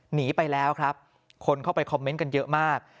หนีไปแล้วครับคนเข้าไปคอมเมนต์กันเยอะมาก